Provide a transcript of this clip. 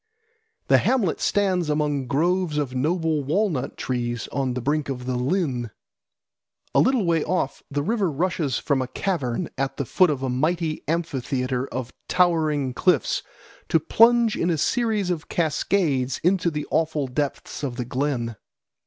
The hamlet stands among groves of noble walnut trees on the brink of the lyn. A little way off the river rushes from a cavern at the foot of a mighty amphitheatre of towering cliffs to plunge in a series of cascades into the awful depths of the glen.